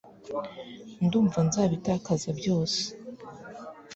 Ndumva nzabitakaza byose